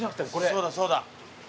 そうだそうだ。